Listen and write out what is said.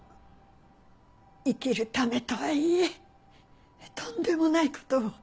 生きるためとはいえとんでもないことを。